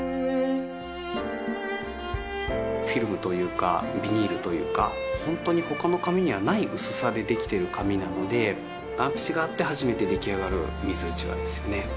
フィルムというかビニールというか本当に他の紙にはない薄さでできてる紙なので雁皮紙があって初めて出来上がる水うちわですよね